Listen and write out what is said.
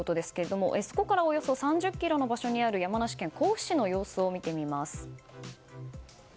そこからおよそ３０ｋｍの場所にある山梨県甲府市の様子を見てみます。